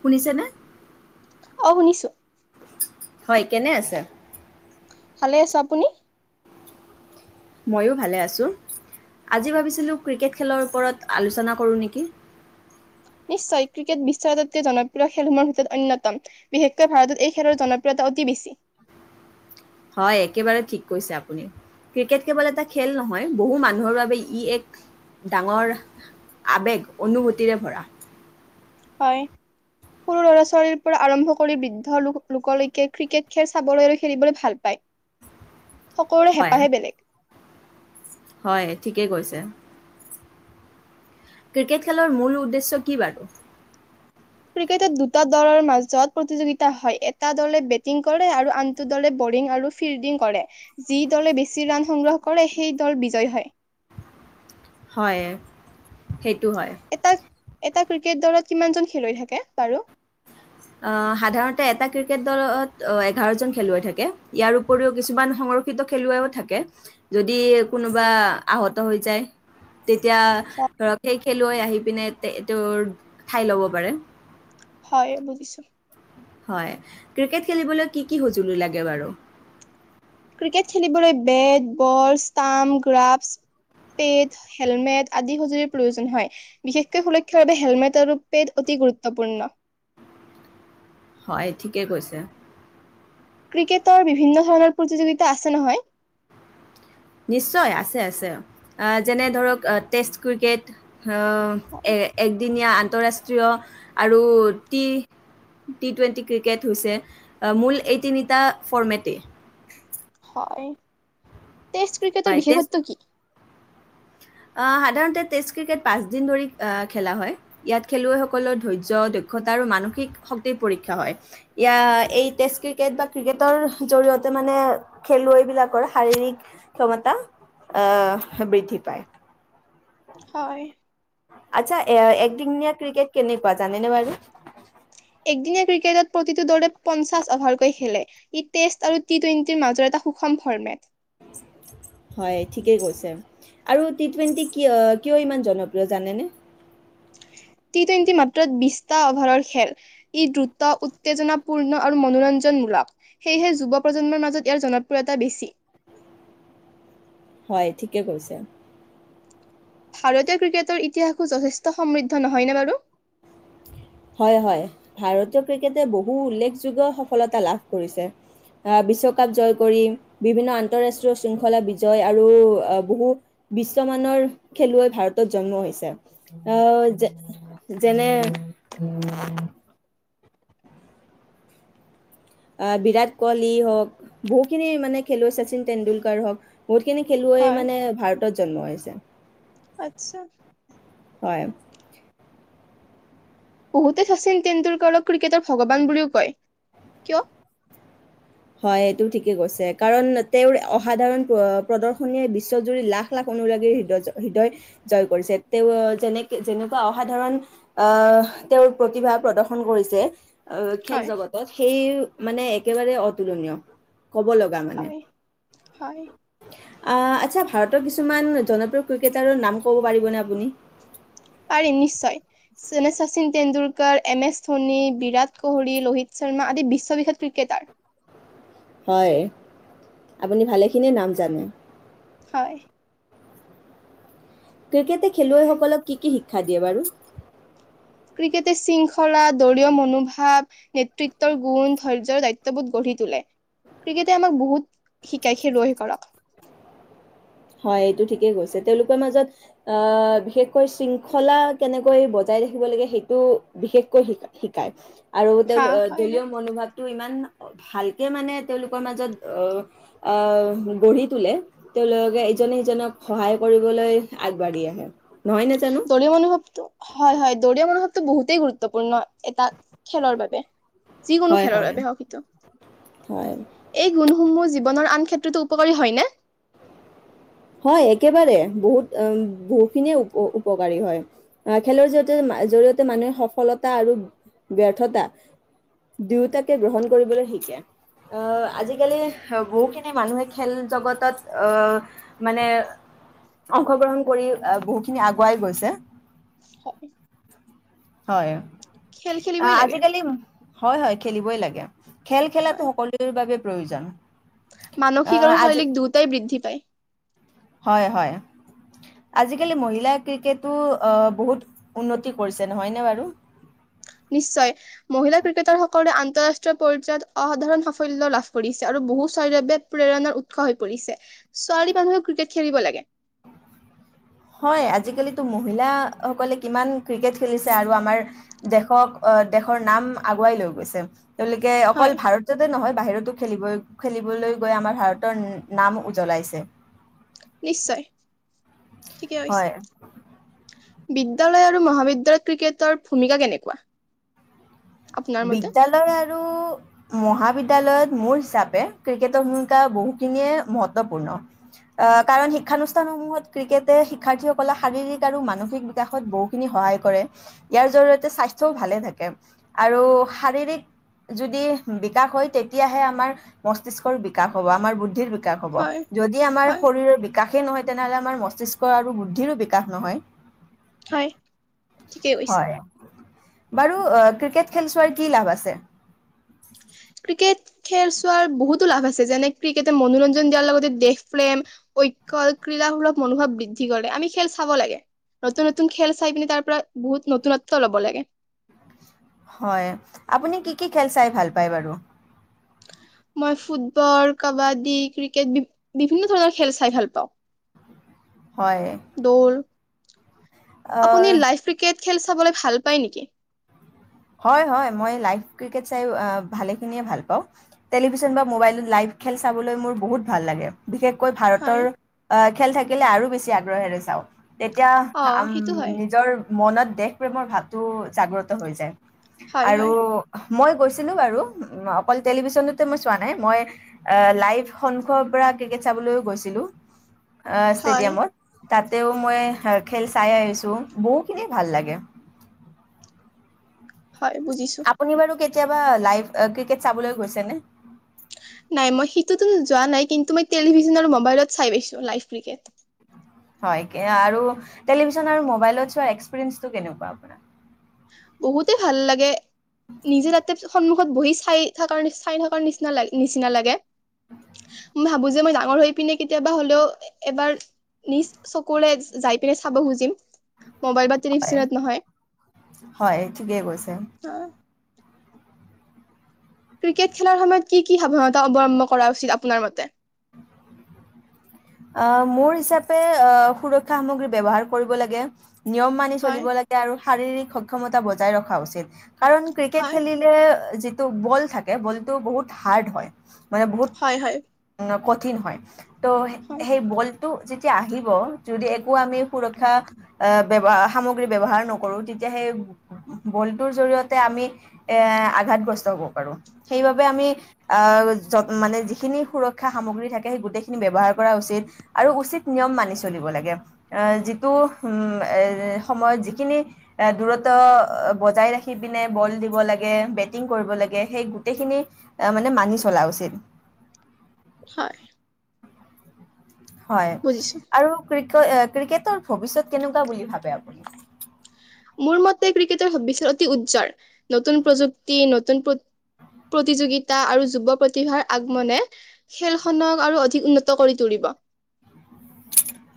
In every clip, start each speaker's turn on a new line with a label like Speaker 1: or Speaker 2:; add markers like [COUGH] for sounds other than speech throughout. Speaker 1: শুনিছে নে।
Speaker 2: অ শুনিছো।
Speaker 1: হয় কেনে আছে।
Speaker 2: ভালে আছে আপুনি।
Speaker 1: ময়ো ভালে আছোঁ আজি ভাবিছিলোঁ ক্ৰিকেট খেলৰ ওপৰত আলোচনা কৰোঁ নেকি।
Speaker 2: নিশ্চয় ক্ৰিকেট বিশ্বৰ আটাইতকৈ জনপ্ৰিয় খেলসমূহৰ ভিতৰত অন্যতম বিশেষকৈ ভাৰতত এই খেলৰ জনপ্ৰিয়তা অতি বেছি।
Speaker 1: হয় একেবাৰে ঠিক কৈছে আপুনি ক্ৰিকেট কেৱল এটা খেল নহয় বহু মানুহৰ বাবে ই এক ডাঙৰ আবেগ অনুভূতিৰে ভৰা।
Speaker 2: হয় সৰু ল'ৰা ছোৱালীৰ পৰা আৰম্ভ কৰি বৃদ্ধ লোকলৈকে ক্ৰিকেট খেল চাবলৈ আৰু খেলিবলৈ ভাল পায়। সকলোৰে
Speaker 1: হয়
Speaker 2: হেঁপাহে বেলেগ।
Speaker 1: হয় ঠিকেই গৈছে। ক্ৰিকেট খেলাৰ মূল উদ্দেশ্য কি বাৰু।
Speaker 2: ক্ৰিকেটত দুটা দলৰ মাজত প্ৰতিযোগিতা হয় এটা দলে বেটিং কৰে আৰু আনটো দলে বলিং আৰু ফিল্ডিং কৰে যি দলে বেছি ৰাণ সংগ্ৰহ কৰে সেই দল বিজয়ী হয়।
Speaker 1: হয়। সেইটো হয়।
Speaker 2: এটা এটা ক্ৰিকেট দলৰত কিমান জন খেলুৱৈ থাকে বাৰু।
Speaker 1: সাধাৰণতে এটা ক্ৰিকেট দলত এঘাৰজন খেলুৱৈ থাকে ইয়াৰ উপৰিও কিছুমান সংৰক্ষিত খেলুৱৈও থাকে যদি কোনোবা আহত হৈ যায়। তেতিয়া
Speaker 2: হয়
Speaker 1: ধৰক সেই খেলুৱৈ আহি। পিনে এইটো ঠাই ল'ব পাৰে।
Speaker 2: হয় বুজিছো।
Speaker 1: হয় ক্ৰিকেট খেলিবলৈ কি কি সঁজুলি লাগে বাৰু।
Speaker 2: ক্ৰিকেট খেলিবলৈ bat ball stump gloves pad helmet আদি সঁজুলিৰ প্ৰয়োজন হয় বিশেষকৈ সুৰক্ষাৰ বাবে হেলমেট আৰু পেড অতি গুৰুত্বপূৰ্ণ।
Speaker 1: হয় ঠিকেই কৈছে।
Speaker 2: ক্ৰিকেটৰ বিভিন্ন ধৰণৰ প্ৰতিযোগিতা আছে নহয়।
Speaker 1: নিশ্চয় আছে আছে যেনে ধৰক টেষ্ট ক্ৰিকেট। অ এ একদিনীয়া। আন্তঃৰাষ্ট্ৰীয় আৰু টি টি টুৱেণ্টি ক্ৰিকেট হৈছে মূল এই তিনিটা ফৰ্মেটেই।
Speaker 2: এই। টেষ্ট ক্ৰিকেটৰ
Speaker 1: হয় টেষ্ট
Speaker 2: বিশেষত্ব কি।
Speaker 1: সাধাৰণতে টেষ্ট ক্ৰিকেট পাঁচদিন ধৰি খেলা হয় ইয়াত খেলুৱৈসকল। সকলৰ ধৈৰ্য্য দক্ষতা আৰু মানসিক শক্তিৰ পৰীক্ষা হয়। এয়া এই টেষ্ট ক্ৰিকেট বা ক্ৰিকেটৰ জৰিয়তে মানে খেলুৱৈবিলাকৰ শাৰীৰিক ক্ষমতা আহ বৃদ্ধি পায়
Speaker 2: হয়
Speaker 1: আচ্ছা একদিনীয়া ক্ৰিকেট কেনেকুৱা জানে নে বাৰু
Speaker 2: একদিনীয়া ক্ৰিকেটত প্ৰতিটো দৰে পঞ্চাশ অভাৰকৈ খেলে ই টেষ্ট আৰু টি টুৱেণ্টিৰ মাজৰ এটা সুষম ফৰ্মেট
Speaker 1: হয় ঠিকেই কৈছে আৰু টি টুৱেণ্টি কিয় ইমান জনপ্ৰিয় জানেনে?
Speaker 2: টি টুৱেণ্টি মাত্ৰ বিশটা অভাৰৰ খেল ই দ্ৰুত উত্তেজনাপূৰ্ণ আৰু মনোৰঞ্জনমূলক সেয়েহে যুৱ প্ৰজন্মৰ মাজত ইয়াৰ জনপ্ৰিয়তা বেছি
Speaker 1: হয় ঠিকে কৈছে
Speaker 2: ভাৰতীয় ক্ৰিকেটৰ ইতিহাসো যথেষ্ট সমৃদ্ধ নহয়নে বাৰু
Speaker 1: হয় হয় ভাৰতীয় ক্ৰিকেটে বহু উল্লেখযোগ্য সফলতা লাভ কৰিছে আহ বিশ্বকাপ জয় কৰি বিভিন্ন আন্তৰাষ্ট্ৰীয় শৃংখলা বিজয় আৰু বহু বিশ্বমানৰ খেলুৱৈ ভাৰতত জন্ম হৈছে আহ যেনে টো পে বিৰাট কোৱলি হওঁক বহুতখিনি মানে খেলুৱৈ শচীন টেণ্ডুলকাৰ হওক বহুতখিনি খেলুৱৈ
Speaker 2: হয়,
Speaker 1: মানে ভাৰতত জন্ম হৈছে
Speaker 2: আচ্ছা
Speaker 1: হয়
Speaker 2: বহুতে শচীন তেটেণ্ডুলকাৰক ক্ৰিকেটৰ ভগৱান বুলিও কয় কিয়?
Speaker 1: হয় এইটো ঠিকেই কৈছে কাৰণ তেওঁৰ অসাধাৰণ প্ৰদৰ্শনীয়ে বিশ্বজুৰি লাখ লাখ অনুৰাগীৰ হৃদয় হৃদয় জয় কৰিছে তেওঁ যেনেকে যেনেকুৱা অসাধাৰণ আহ তেওঁৰ প্ৰতিভা প্ৰদৰ্শন কৰিছে অ খেল
Speaker 2: হয়,
Speaker 1: জগতত সেই অওমানে একেবাৰে অতুলনীয় ক'ব লগা মানে
Speaker 2: হয় হয়
Speaker 1: আ। আচ্ছা ভাৰতৰ কিছুমান জনপ্ৰিয় ক্ৰিকেটাৰৰ নাম ক'ব পাৰিবনে আপুনি?
Speaker 2: পাৰিম নিশ্চয় যেনে চীল টেণ্ডুলকাৰ এম এছ ধোনী বিৰাট কোহলি ৰোহিত শৰ্মা আদি বিশ্ববিখ্যাত ক্ৰিকেটাৰ
Speaker 1: হয় আপুনি ভালেখিনিয়ে নাম জানে
Speaker 2: হয়
Speaker 1: ক্ৰিকেটে খেলুৱৈসকলক কি কি শিক্ষা দিয়ে বাৰু
Speaker 2: ক্ৰিকেটে শৃংখলা দৰিয় মনোভাৱ নেতৃত্বৰ গুণ ধৈৰ্যৰ দায়িত্ববোধ গঢ়ি তোলে ক্ৰিকেটে আমাক বহুত শিকাই খেলুৱৈ সকলক
Speaker 1: হয় এইটো ঠিকেই গৈছে তেওঁলোকৰ মাজত আহ বিশেষকৈ শৃংখলা কেনেকৈ বজাই ৰাখিব লাগে সেইটো বিশেষকৈ শিকাই আৰু
Speaker 2: হা, হয়,
Speaker 1: দলীয়
Speaker 2: হয়।
Speaker 1: মনোভাৱটো ইমান ভালকে মানে তেওঁলোকৰ মাজত অ আহ গঢ়ি তোলে তেওঁলোক ইজনে সিজনক সহায় কৰিবলৈ আগবাঢ়ি আহে নহয় নে জানো
Speaker 2: দলিয় মনোভাৱটো হয় হয় দলিয় মনোভাৱ এইটো বহুতেই গুৰুত্বপূৰ্ণ এটা খেলৰ বাবে যিকোনো
Speaker 1: হয়
Speaker 2: খেলৰ
Speaker 1: হয়
Speaker 2: বাবে শসিত
Speaker 1: হয়
Speaker 2: এই গুণসমূহ জীৱনৰ আন ক্ষেত্ৰতো উপকাৰী হয়নে
Speaker 1: হয় একেবাৰে বহুত আহ বহুখিনিয়ে উপ উপকাৰী হয় আহ খেলৰ জতে জৰিয়তে মানুহে সফলতা আৰু ব্যৰ্থতা দুয়োটাকে গ্ৰহণ কৰিবলৈ শিকে আহ আজিকালি বহুখিনি মানুহে খেল জগতত অহ মানে অংশগ্ৰহণ কৰি বহুতখিনি আগুৱাই গৈছে
Speaker 2: স
Speaker 1: হয় আহ
Speaker 2: লাগে
Speaker 1: আজিকালি উ হয় হয় খেলিবই লাগে খেল খেলাতো
Speaker 2: হয়
Speaker 1: সকলোৰে বাবে প্ৰয়োজন
Speaker 2: মানসিক
Speaker 1: আহ,
Speaker 2: আৰু
Speaker 1: আজি
Speaker 2: শাৰীৰিক দুয়োটাই বৃদ্ধি পায়।
Speaker 1: হয় হয় আজিকালি মহিলাই ক্ৰিকেটো বহুত উন্নতি কৰিছে নহয়নে বাৰু।
Speaker 2: নিশ্চয় মহিলা ক্ৰিকেটাৰসকলে আন্তঃৰাষ্ট্ৰীয় পৰ্যায়ত অসাধাৰণ সাফল্য লাভ কৰিছে আৰু বহু সয়দবে প্ৰেৰণাৰ উৎস হৈ পৰিছে ছোৱালী মানুহে ক্ৰিকেট খেলিব লাগে।
Speaker 1: হয় আজিকালিতো মহিলাসকলে কিমান ক্ৰিকেট খেলিছে আৰু আমাৰ দেশক দেশৰ নাম আগুৱাই লৈ গৈছে। তেওঁলোকে অকল
Speaker 2: হয়
Speaker 1: ভাৰততে নহয় বাহিৰত খেলিবই খেলিবলৈ গৈ আমাৰ ভাৰতৰ নাম উজ্বলাইছে।
Speaker 2: নিশ্চয়। ঠিকে কৈছে
Speaker 1: হয়।
Speaker 2: বিদ্যালয় আৰু মহাবিদ্যালয়ত ক্ৰিকেটৰ ভূমিকা কেনেকুৱা? আপোনাৰ মতে
Speaker 1: বিদ্যালয় আৰু মহাবিদ্যালয়। বিদ্যলয়ত মোৰ হিচাপে ক্ৰিকেটৰ ভূমিকা বহুখিনিয়ে মহত্বপূৰ্ণ আহ কাৰণ শিক্ষানুষ্ঠানসমূহত ক্ৰিকেটে শিক্ষাৰ্থীসকলৰ শাৰীৰিক আৰু মানসিক বিকাশত বহুখিনি সহায় কৰে ইয়াৰ জৰিয়তে স্বাস্থ্যও ভালে থাকে। আৰু শাৰীৰিক যদি বিকাশ হয় তেতিয়াহে আমাৰ মস্তিষ্কৰ বিকাশ হ'ব। আমাৰ বুদ্ধিৰ বি বিকাশ হ'ব
Speaker 2: হয়
Speaker 1: যদি আমাৰ
Speaker 2: হয়
Speaker 1: শৰীৰৰ বিকাশ সেই নহয় তেনেহ'লে আমাৰ মস্তিষ্ক আৰু বুদ্ধিৰো বিকাশ নহয়।
Speaker 2: হয় ঠিকেই কৈছা।
Speaker 1: হয় বাৰু ক্ৰিকেট। খেল চোৱাৰ কি লাভ আছে।
Speaker 2: ক্ৰিকেট খেল চোৱাৰ বহুতো লাভ আছে। যেনে ক্ৰিকেটে মনোৰঞ্জন দিয়াৰ লগতে দেশ প্ৰেম ঐক্য ক্ৰীড়া সূলভ মনোভাৱ বৃদ্ধি কৰে আমি খেল চাব লাগে নতুন নতুন খেল চাই পিনে তাৰ পৰা বহুত নতুনত্ব ল'ব লাগে।
Speaker 1: হয় আপুনি কি কি খেল চাই ভাল পায় বাৰু?
Speaker 2: মই ফুটবল কাবাডী ক্ৰিকেট বি বিভিন্ন ধৰণৰ খেল চাই ভাল পাওঁ।
Speaker 1: হয়,
Speaker 2: দৌল
Speaker 1: আ
Speaker 2: আপুনি লাইভ ক্ৰিকেট খেল চাবলৈ ভাল পায় নেকি?
Speaker 1: হয় হয় মই লাইভ ক্ৰিকেট চাই ভালেখিনিয়ে ভাল পাওঁ টেলিভিছন বা মোবাইলত লাইভ খেল চাবলৈ মোৰ বহুত ভাল লাগে। বিশেষকৈ ভাৰতৰ
Speaker 2: হয়
Speaker 1: খেল থাকি কিলে আৰু বেছি আগ্ৰহেৰে চাওঁ‌। তেতিয়া
Speaker 2: অ' সেইটো হয়।
Speaker 1: ম নিজৰ মনত দেশ প্ৰেমৰ ভাৱ টো জাগ্ৰত হৈ যায়।
Speaker 2: হয়
Speaker 1: আৰু
Speaker 2: হয়
Speaker 1: মই গৈছিলো বাৰু অকল টেলিভিশ্যনটো মই চোৱা নাই মই লাইভ সংখ্যৰ পৰা ক্ৰিকেট চাবলৈও গৈছিলোঁ‌। অ'
Speaker 2: হয়
Speaker 1: ষ্টেডিয়ামত। তাতেও মই খেল চাই আহিছোঁ বহুখিনি ভাল লাগে।
Speaker 2: হয় বুজিছো।
Speaker 1: আপুনি বাৰু কেতিয়াবা লাইভ ক্ৰিকেট চাবলৈ গৈছে নে?
Speaker 2: নাই মই সেইটোতো যোৱা নাই কিন্তু মই টেলিভিছন আৰু মোবাইলত চাই পাইছো লাইভ ক্ৰিকেট।
Speaker 1: হয় আৰু টেলিভিচেনৰ মোবাইলত চোৱা এক্সপ্ৰীৰিয়েনচটো কেনেকুৱা?
Speaker 2: বহুতে ভাল লাগে নিজে ৰাতি সন্মুখত। ত বহি চাই থকাৰ চাই থকাৰ নিচিনা ল নিচিনা লাগে। মই ভাবো। যে মই ডাঙৰ হৈ পিনে কেতিয়াবা হ'লেও এবাৰ নিজ চকুৰে যাই পিনে চাব খুজিম। মোবাইল বাদ তিৰিফ
Speaker 1: হয়
Speaker 2: ইছক্ৰিনত নহয়।
Speaker 1: হয় ঠিকেই কৈছে।
Speaker 2: ক্ৰিকেট খেলাৰ সময়ত কি কি সাৱধানতা অৱলম্বন কৰা উচিত আপোনাৰ মতে?
Speaker 1: অ মোৰ হিচাপে অ সুৰক্ষা সামগ্ৰী ব্যৱহাৰ কৰিব লাগে, নিয়ম মানি
Speaker 2: হয়
Speaker 1: চলিব লাগে আৰু শাৰীৰিক সক্ষমতা বজাই ৰখা উচিত কাৰণ ক্ৰিকেট
Speaker 2: হয়
Speaker 1: খেলিলে টো বল থাকে বলটো বহুত হাৰ্ড হয়। মানে বহুত
Speaker 2: হয় হয়
Speaker 1: ক। কঠিন হয় ত।
Speaker 2: হয়
Speaker 1: সেই বলটো যিটো। যে আহিব যদি একো আমি সুৰক্ষা অহ ব্যৱহাৰ সামগ্ৰী ব্যৱহাৰ নকৰো তেতিয়া সেই বলটোৰ জৰিয়তে আমি এ আঘাতগ্ৰস্ত হব পাৰো সেইবাবে আমি আহ মানে যিখিনি সুৰক্ষা সামগ্ৰী থাকে সেই গোটেইখিনি ব্যৱহাৰ। কৰা উচিত আৰু উচিত নিয়ম মানি চলিব লাগে এ যিটো উম এ সময়ত যিখিনি এ দূৰত্ব বজাই ৰাখি পিনে বল দিব লাগে বেটিং কৰিব লাগে সেই গোটেইখিনি মানে মানি চলা উচিত।
Speaker 2: হয়।
Speaker 1: হয়
Speaker 2: বুজিছো
Speaker 1: আৰু ক্ৰিকেট ক্ৰিকেটৰ। ভৱিষ্যত কেনেকুৱা বুলি ভাবে আপুনি।
Speaker 2: মোৰ মতে ক্ৰিকেটৰ ভবিষ্যত অতি উজ্জ্বল। নতুন প্ৰযুক্তি, নতুন প্ৰতিযোগিতা আৰু যুৱ প্ৰতিভাৰ আগমনে খেলখনক আৰু অধিক উন্নত কৰি তুলিব।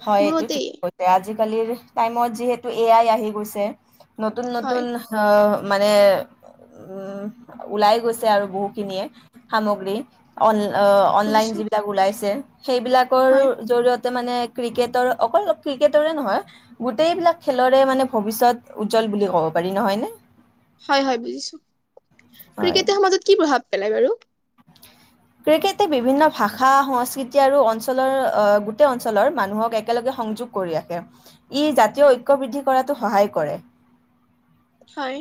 Speaker 1: হয়
Speaker 2: মোৰ
Speaker 1: এইটো
Speaker 2: মতে
Speaker 1: ঠিক কৈছে আজিকালিৰ। টাইমত যিহেতু এ আই আহি গৈছে। নতুন
Speaker 2: হয়
Speaker 1: নতুন। মানে উম ওলাই গৈছে আৰু বহুখিনিয়ে সামগ্ৰী অন অনলাইন
Speaker 2: বুজিছো
Speaker 1: যিবিলাক ওলাইছে সেইবিলাকৰ
Speaker 2: হয়
Speaker 1: জৰিয়তে মানে ক্ৰিকেটৰ অকল ক্ৰিকেটৰে নহয় গোটেইবিলাক খেলৰে মানে ভৱিষ্যত উজ্জ্বল বুলি ক'ব পাৰি নহয় নে
Speaker 2: হয় হয় বুজিছো
Speaker 1: হয়
Speaker 2: ক্ৰিকেটৰ সমাজত কি প্ৰভাৱ পেলাই বাৰু
Speaker 1: ক্ৰিকেটে বিভিন্ন ভাষা সংস্কৃতি আৰু অঞ্চলৰ গোটেই অঞ্চলৰ মানুহক একেলগে সংযোগ কৰি ৰাখে ই জাতীয় ঐক্যবৃদ্ধি কৰাতো সহায় কৰে
Speaker 2: হয়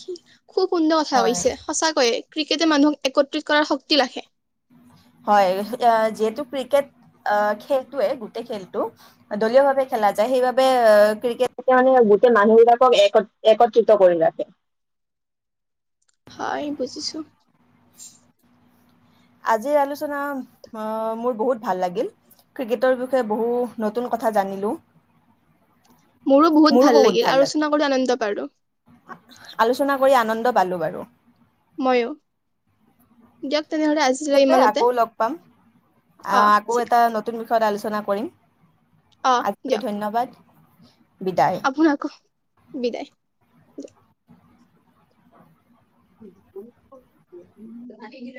Speaker 2: কি খুব সুন্দৰ কথা
Speaker 1: হয়
Speaker 2: কৈছে সঁচাকৈয়ে ক্ৰিকেটে মানুহক একত্ৰিত কৰাৰ শক্তি ৰাখে।
Speaker 1: হয় যিহেতু ক্ৰিকেট খেলটোৱে গোটেই খেলটো দলীয় ভাৱে খেলা যায় সেইবাবে ক্ৰিকেট মানে গোটেই মানুহবিলাকক একত্ৰিত কৰি ৰাখে।
Speaker 2: হয় বুজিছো।
Speaker 1: আজিৰ আলোচনা মোৰ বহুত ভাল লাগিল ক্ৰিকেটৰ বিষয়ে বহু নতুন কথা জানিলো।
Speaker 2: মোৰো বহুত ভাল লাগিল আৰু ৰচনা কৰি আনন্দ পালো।
Speaker 1: আলোচনা কৰি আনন্দ পালো বাৰু।
Speaker 2: মইয়ো।
Speaker 1: ছে আকৌ লগ পাম
Speaker 2: অ
Speaker 1: আঁহ আকৌ
Speaker 2: ঠিক
Speaker 1: এটা নতুন বিষয়। ৰত আলোচনা কৰিম। আজি ধন্যবাদ। হয়।
Speaker 2: আপোন আকৌ বিদায়। উম। [INAUDIBLE]